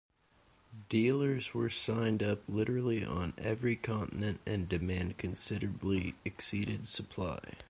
Dealers were signed up literally on every continent and demand considerably exceeded supply.